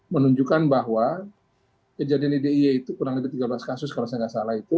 menunjukkan bahwa kejadian di d i e itu kurang lebih tiga belas kasus kalau saya nggak salah itu